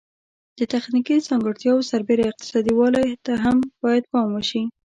د تخنیکي ځانګړتیاوو سربیره اقتصادي والی ته هم باید پام وشي.